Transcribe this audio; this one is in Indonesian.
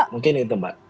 mungkin itu mbak